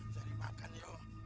jadi makan yuk